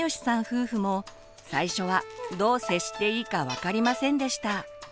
夫婦も最初はどう接していいか分かりませんでした。